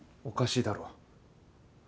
おかしいだろ。